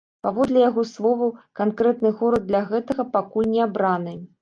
Паводле яго словаў, канкрэтны горад для гэтага пакуль не абраны.